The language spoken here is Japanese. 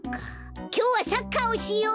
きょうはサッカーをしよう！